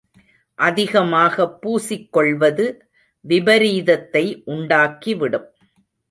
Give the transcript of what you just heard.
அதிகமாகப் பூசிக்கொள்வது விபரீதத்தை உண்டாக்கி விடும்.